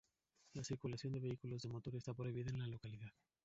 La circulación de vehículos de motor está prohibida en la localidad.